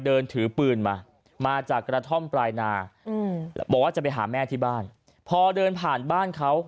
เดินถือปืนมามาจากกระท่อมปลายนาบอกว่าจะไปหาแม่ที่บ้านพอเดินผ่านบ้านเขา